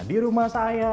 di rumah saya